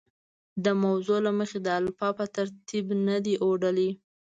د موضوع له مخې د الفبا په ترتیب نه دي اوډلي.